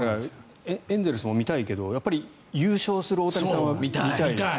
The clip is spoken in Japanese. エンゼルスも見たいけど優勝する大谷さんも見たいですよね。